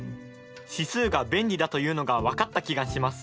指数が便利だというのが分かった気がします。